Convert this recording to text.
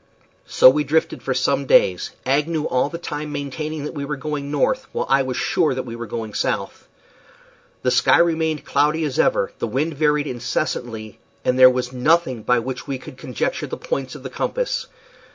So we drifted for some days, Agnew all the time maintaining that we were going north, while I was sure that we were going south. The sky remained as cloudy as ever, the wind varied incessantly, and there was nothing by which we could conjecture the points of the compass.